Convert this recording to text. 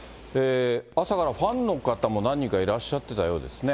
朝からファンの方も何人かいらっしゃってたようですね。